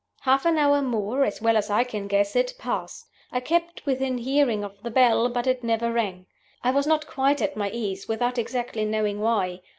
"Half an hour more, as well as I can guess it, passed. I kept within hearing of the bell; but it never rang. I was not quite at my ease without exactly knowing why.